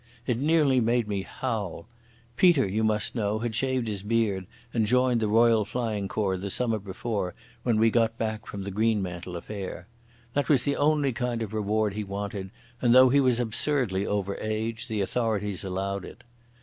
It nearly made me howl. Peter, you must know, had shaved his beard and joined the Royal Flying Corps the summer before when we got back from the Greenmantle affair. That was the only kind of reward he wanted, and, though he was absurdly over age, the authorities allowed it.